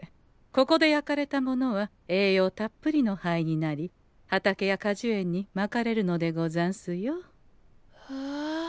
ここで焼かれたものは栄養たっぷりの灰になり畑や果樹園にまかれるのでござんすよ。へえ。